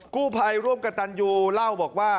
กู้ภัยร่วมกับตันยูเล่าบอกว่า